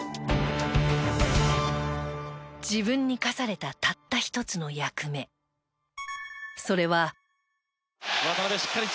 自分に課されたたった一つの役目それは。